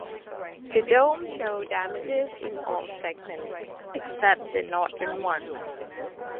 The dome showed damages in all segments except the northern one.